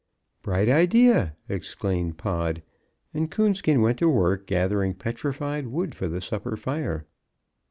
"Bright idea!" exclaimed Pod. And Coonskin went to work gathering petrified wood for the supper fire.